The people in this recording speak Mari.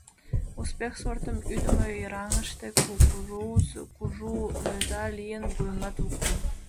«Успех» сортым ӱдымӧ йыраҥыште кукуруз кужу, лӧза лийын, вуйымат луктын.